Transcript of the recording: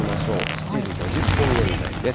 ７時５０分現在です。